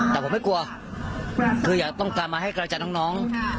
ท่านรู้ได้ว่ามันจะมีฝนตกนะ